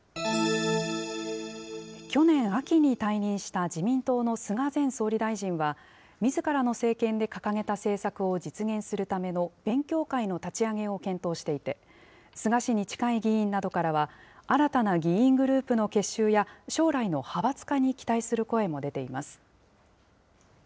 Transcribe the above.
去年秋に退任した自民党の菅前総理大臣は、みずからの政権で掲げた政策を実現するための勉強会の立ち上げを検討していて、菅氏に近い議員などからは、新たな議員グループの結集や将来の派閥化に期待する声も出ています。